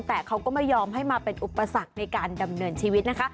แต่เขาก็ไม่ยอมให้มาเป็นอุปสรรคในการดำเนินชีวิตนะคะ